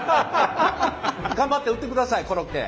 頑張って売ってくださいコロッケ。